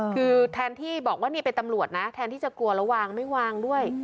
คือแทนที่บอกว่านี่เป็นตำรวจนะแทนที่จะกลัวแล้ววางไม่วางด้วย